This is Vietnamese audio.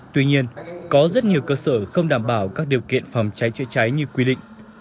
tuy nhiên có rất nhiều cơ sở không đảm bảo các điều kiện phòng cháy chữa cháy như quy định